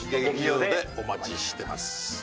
劇場でお待ちしてます。